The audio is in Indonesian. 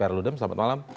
harludem selamat malam